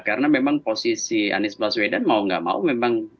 karena memang posisi anies baswedan mau gak mau memang